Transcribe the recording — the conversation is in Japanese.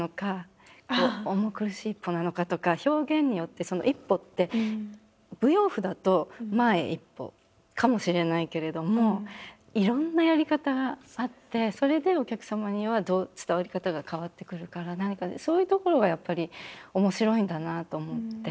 表現によってその１歩って舞踊譜だと「前１歩」かもしれないけれどもいろんなやり方があってそれでお客様には伝わり方が変わってくるから何かねそういうところがやっぱり面白いんだなと思って。